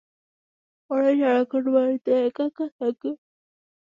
ওরা সারাক্ষণ বাড়িতে একা একা থাকে।